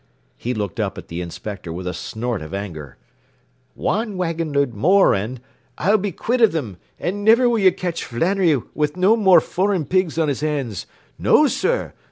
He looked up at the inspector with a snort of anger. “Wan wagonload more an, I'll be quit of thim, an' niver will ye catch Flannery wid no more foreign pigs on his hands. No, sur!